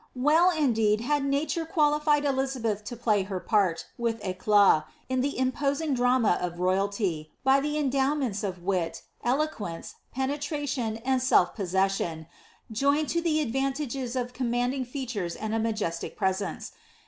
WelU indeed, had nature qualified Elizabeth to play her part, with eclat^ in the imposing drama of royalty, by the endowments of wit, eloquence, penetration, and self possession, joined to the advantages of commanding features and a majestic presence.